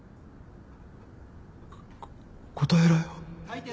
答えろよ。